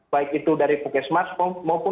baik itu dari pukul delapan tiga puluh pagi